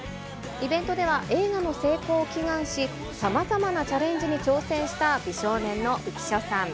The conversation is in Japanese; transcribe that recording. イベントでは映画の成功を祈願し、さまざまなチャレンジに挑戦した美少年の浮所さん。